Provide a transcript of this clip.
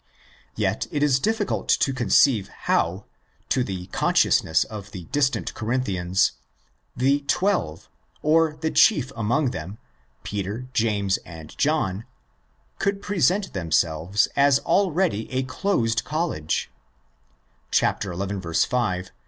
Yet it is difficult to conceive how, to the consciousness of the distant Corinthians, '' the Twelve," or the chief among them, " Peter, James, and John," could present themselves as already a closed college, of ὑπερλίαν ἀπόστολοι (xi.